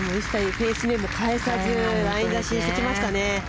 フェース面も返さずライン出ししてきましたね。